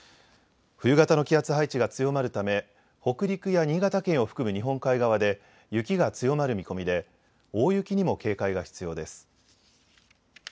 冬型の気圧配置が強まるため北陸や新潟県を含む日本海側で雪が強まる見込みで大雪にも警戒が必要です。